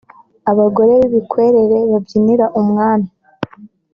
abagore b’ibikwerere babyinira umwami